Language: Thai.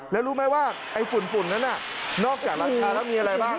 แล้วรู้ไหมว่าไอ้ฝุ่นนั้นน่ะนอกจากหลังคาแล้วมีอะไรบ้าง